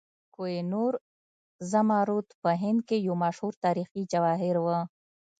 کوه نور زمرد په هند کې یو مشهور تاریخي جواهر و.